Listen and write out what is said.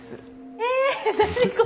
え！